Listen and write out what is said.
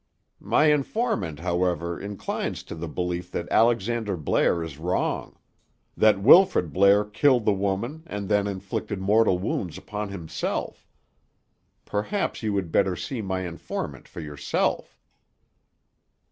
"My informant, however, inclines to the belief that Alexander Blair is wrong: that Wilfrid Blair killed the woman and then inflicted mortal wounds upon himself. Perhaps you would better see my informant for yourself."